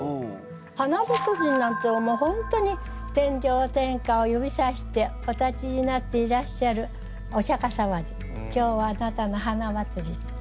花まつりなんてもう本当に「天上天下を指さしてお立ちになっていらっしゃるお釈様に今日はあなたの花まつり」。